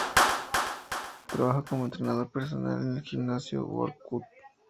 Trabaja como entrenador personal en el gimnasio Workout.